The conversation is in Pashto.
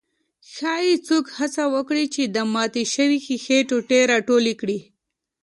ښايي څوک هڅه وکړي چې د ماتې شوې ښيښې ټوټې راټولې کړي.